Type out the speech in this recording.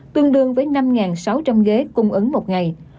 tương đương với năm sáu trăm linh ghế cung ứng một ngày